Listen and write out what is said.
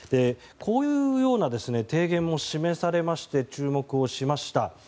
こういうような提言も示されまして注目をしました。